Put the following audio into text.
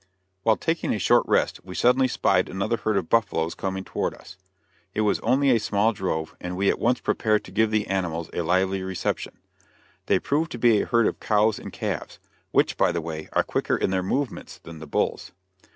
While taking a short rest, we suddenly spied another herd of buffaloes coming toward us. It was only a small drove, and we at once prepared to give the animals a lively reception. They proved to be a herd of cows and calves which, by the way, are quicker in their movements than the bulls.